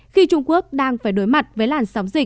khi trung quốc đang phải đối mặt với làn sóng dịch